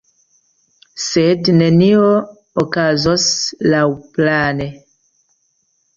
Sed nenio okazos laŭplane.